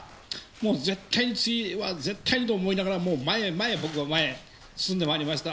もう絶対に次は、絶対にと思いながら、もう前へ、前へ、僕は前へ進んでまいりました。